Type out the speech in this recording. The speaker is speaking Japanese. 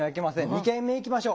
２軒目行きましょう。